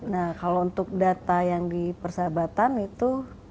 nah kalau untuk data yang di persahabatan itu